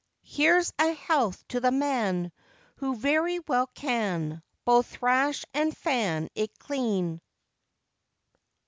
He's a health to the man Who very well can Both thrash and fan it clean!